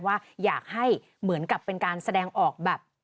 ว่าอยากให้เหมือนกับเป็นการแสดงออกแบบ